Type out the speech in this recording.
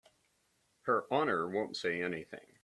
Her Honor won't say anything.